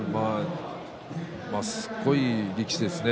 すごい力士ですね。